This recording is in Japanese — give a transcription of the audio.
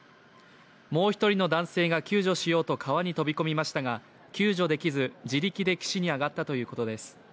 もう一人の男性が救助しようと川に飛び込みましたが救助できず、自力で岸に上がったということです。